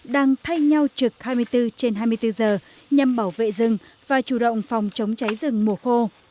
đang thay nhau trực hai mươi bốn trên hai mươi bốn giờ nhằm bảo vệ rừng và chủ động phòng chống cháy rừng mùa khô